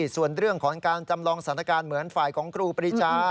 ส่วนเรื่องของการจำลองสถานการณ์เหมือนฝ่ายของครูปรีชา